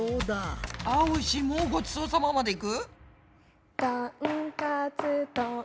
「あおいしもうごちそうさま」までいく？